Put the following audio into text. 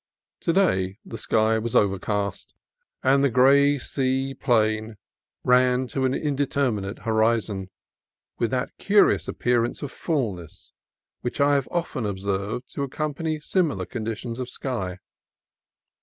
To day the sky was overcast, and the gray sea plain ran to an indeterminate horizon, with that curious appearance of fulness which I have often observed to accompany similar conditions of sky.